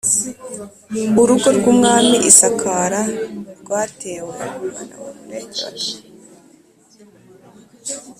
urugo rw umwami i Sakara rwatewe